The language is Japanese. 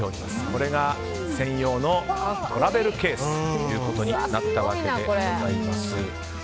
これが専用のトラベルケースとなったわけでございます。